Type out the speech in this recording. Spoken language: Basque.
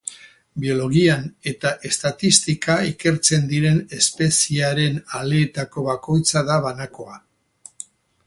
Biologian eta estatistika, ikertzen diren espeziearen aleetako bakoitza da banakoa.